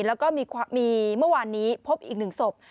แล้วก็มีเมื่อวานนี้พบอีก๑ศพ